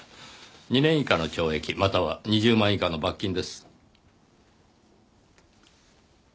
２年以下の懲役または２０万以下の罰金です。